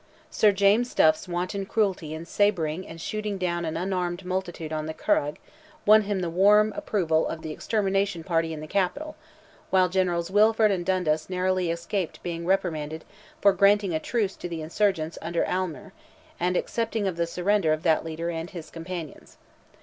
Sir James Duff's wanton cruelty in sabring and shooting down an unarmed multitude on the Curragh, won him the warm approval of the extermination party in the Capital, while Generals Wilford and Dundas narrowly escaped being reprimanded for granting a truce to the insurgents under Aylmer, and accepting of the surrender of that leader and his companions.